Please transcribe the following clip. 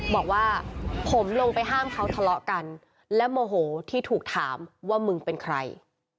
บอกว่าผมลงไปห้ามเขาทะเลาะกันและโมโหที่ถูกถามว่ามึงเป็นใคร